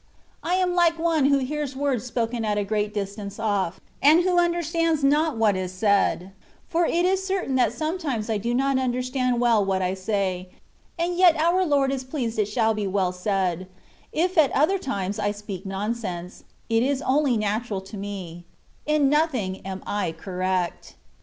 I am like one who hears words spoken at a great distance oflf, and who understands not what is said ; for it is certain that sometimes I do not understand well what I say, and yet our Lord is pleased it shall be well said : if at other times I speak nonsense, it is only natm*al to me; in nothing am I correct.